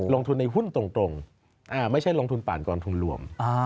ลงทุนในหุ้นตรงไม่ใช่ลงทุนผ่านกองทุนรวม